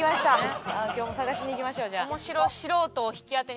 今日も探しに行きましょうじゃあ。